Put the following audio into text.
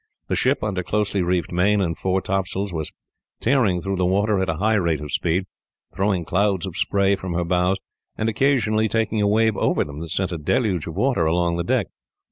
The ship, under closely reefed main and fore top sails, was tearing through the water at a high rate of speed, throwing clouds of spray from her bows, and occasionally taking a wave over them that sent a deluge of water along the deck.